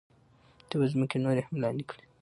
دوی به ځمکې نورې هم لاندې کړي.